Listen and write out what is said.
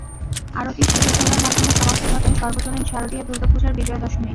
আরতি, সিঁদুর খেলার মাধ্যমে সমাপ্তি ঘটে সর্বজনীন শারদীয়া দুর্গা পূজার বিজয়া দশমী।